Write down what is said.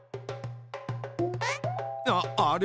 あっあれ？